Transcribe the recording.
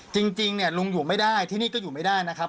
จริงเนี่ยลุงอยู่ไม่ได้ที่นี่ก็อยู่ไม่ได้นะครับ